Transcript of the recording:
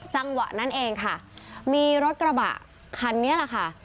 จังหวะนั้นเองค่ะมีรถกระบะคันนี้แหละค่ะ